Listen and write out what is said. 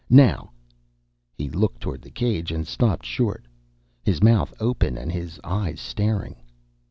Now " He looked toward the cage and stopped short, his mouth open and his eyes staring.